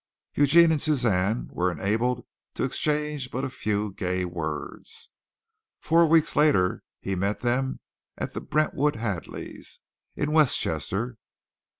Eugene and Suzanne were enabled to exchange but a few gay words. Four weeks later he met them at the Brentwood Hadleys, in Westchester.